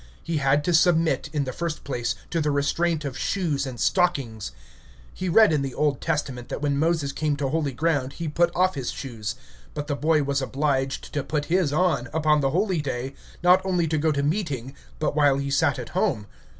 He had to submit, in the first place, to the restraint of shoes and stockings. He read in the Old Testament that when Moses came to holy ground, he put off his shoes; but the boy was obliged to put his on, upon the holy day, not only to go to meeting, but while he sat at home.